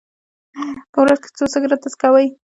په ورځ کې څو سګرټه څکوئ؟